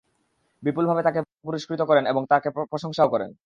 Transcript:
বিপুলভাবে তাকে পুরস্কৃত করেন এবং তার প্রশংসাও করেন।